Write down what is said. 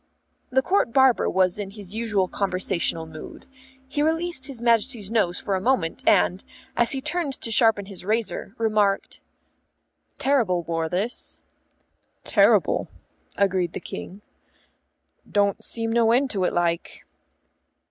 The Court Barber was in his usual conversational mood. He released his Majesty's nose for a moment, and, as he turned to sharpen his razor, remarked, "Terrible war, this." "Terrible," agreed the King. "Don't seem no end to it, like."